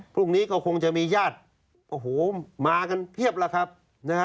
พรุ่งนี้ก็คงจะมีญาติโอ้โหมากันเพียบแล้วครับนะฮะ